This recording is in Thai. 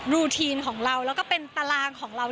รูทีนของเราแล้วก็เป็นตารางของเรา